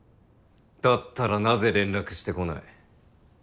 だったらなぜ連絡してこない？